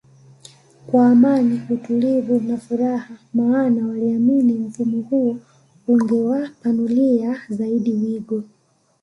kwa Amani utulivu na furaha maana waliamini mfumo huo ungewa panulia zaidi wigo